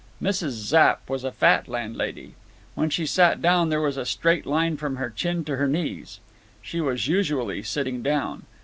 Mrs. Zapp was a fat landlady. When she sat down there was a straight line from her chin to her knees. She was usually sitting down.